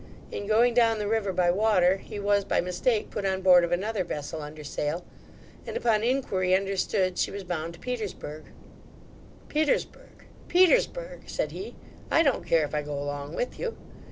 In going down the river by water, he was by mistake put on board of another vessel under sail; and, upon inquiry understood she was bound to Petersburgh 'Petersburgh, Petersburgh (said he) I don't care if I go along with you.